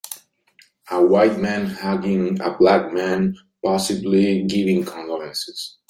A white man hugging a black man possibly giving condolences.